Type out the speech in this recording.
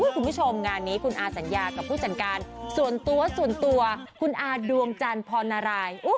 คุณผู้ชมงานนี้คุณอาสัญญากับผู้จัดการส่วนตัวส่วนตัวคุณอาดวงจันทร์พรณราย